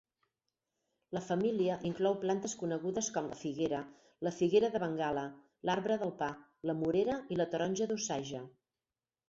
La família inclou plantes conegudes com la figuera, la figuera de Bengala, l'arbre del pa, la morera i la taronja d'Osage.